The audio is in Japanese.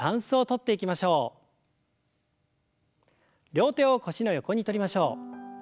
両手を腰の横にとりましょう。